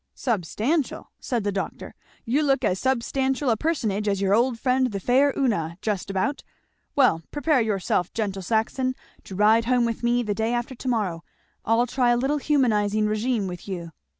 "Substantial!" said the doctor; "you look as substantial a personage as your old friend the 'faire Una,' just about. Well prepare yourself, gentle Saxon, to ride home with me the day after to morrow. I'll try a little humanizing regimen with you."